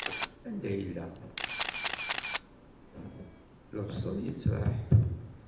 Anda yella, lebṣel yeţraḥ.